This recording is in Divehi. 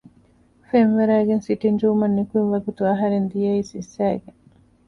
ފެންވަރައިގެން ސިޓިންގ ރޫމަށް ނިކުތް ވަގުތު އަހަރެން ދިޔައީ ސިއްސައިގެން